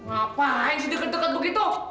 ngapain sih deket deket begitu